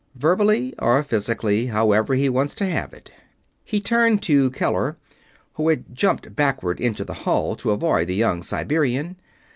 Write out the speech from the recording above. "Verbally or physically; however he wants to have it." He turned to Keller, who had jumped backward into the hall to avoid the young Siberian.